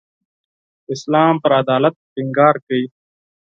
اسلام پر عدالت ټینګار کوي.